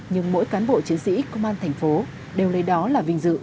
nhưng mỗi cán bộ chiến sĩ công an thành phố đều lấy đó là vinh dự